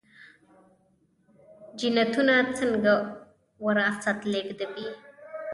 جینونه څنګه وراثت لیږدوي؟